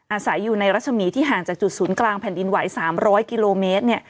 อาศัยอยู่ในรัศมีที่ห่างจากจุดศูนย์กลางแผ่นดินไหว๓๐๐กิโลเมตร